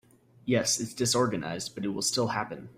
Yes, it’s disorganized but it will still happen.